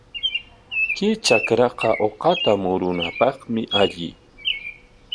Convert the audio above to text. Kay trakraqa uqata murunapaqmi alli.